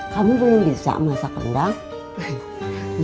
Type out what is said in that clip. kami belum bisa masak rendang